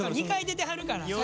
２回出てはるから。